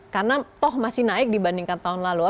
karena toh masih naik dibandingkan tahun lalu